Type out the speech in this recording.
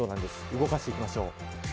動かしていきましょう。